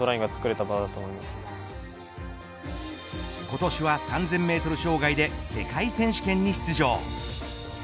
今年は３０００メートル障害で世界選手権に出場。